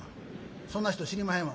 そんな人知りまへんわ」。